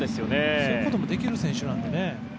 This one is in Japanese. そういうこともできる選手なのでね。